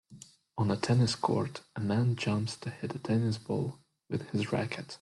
On a tennis court, a man jumps to hit a tennis ball with his racket.